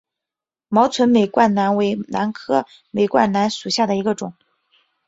毛唇美冠兰为兰科美冠兰属下的一个种。